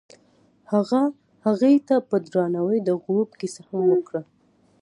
هغه هغې ته په درناوي د غروب کیسه هم وکړه.